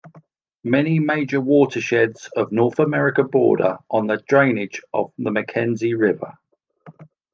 Many major watersheds of North America border on the drainage of the Mackenzie River.